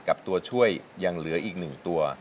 ตัวช่วยยังเหลืออีก๑ตัว